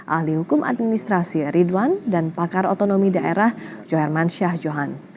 ahli hukum administrasi ridwan dan pakar otonomi daerah joherman syah johan